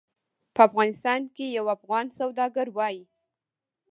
په افغانستان کې یو افغان سوداګر وایي.